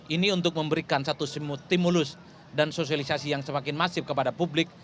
ini untuk memberikan satu stimulus dan sosialisasi yang semakin masif kepada publik